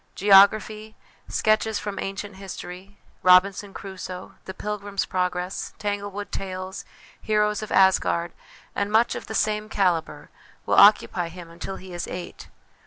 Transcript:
Geography, sketches from ancient history, Robinson Crusoe? The Pilgrims Progress? Tanglewood Tales? Heroes of Asgard? and much of the same calibre, will occupy him until he is eight.